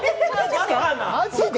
マジで？